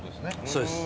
そうです。